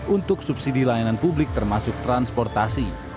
untuk subsidi layanan publik termasuk transportasi